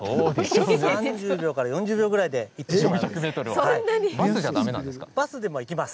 ３０秒から４０秒ぐらいで行けてしまいます。